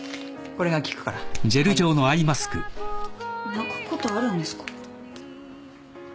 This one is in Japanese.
泣くことあるんですか？